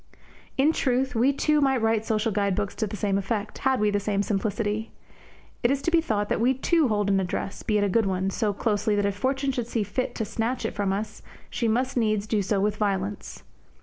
In truth, we too might write social guide books to the same effect, had we the same simplicity. It is to be thought that we too hold an address, be it a good one, so closely that if Fortune should see fit to snatch it from us, she must needs do so with violence.